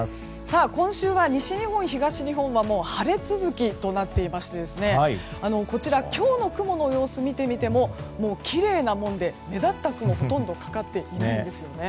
今週は西日本、東日本はもう晴れ続きとなっていまして今日の雲の様子を見てみてもきれいなもので、目立った雲ほとんどかかっていないんです。